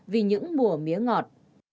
vì những mùa mía ngọt